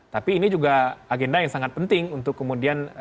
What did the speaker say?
tapi ini juga agenda yang sangat penting untuk kemudian